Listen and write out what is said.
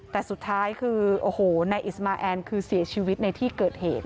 แต่สุดท้ายคือโอ้โหนายอิสมาแอนคือเสียชีวิตในที่เกิดเหตุ